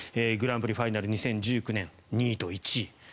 グランプリファイナル２０１９年２位と１位。